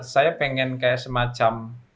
saya pengen kayak semacam